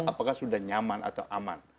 apakah sudah nyaman atau aman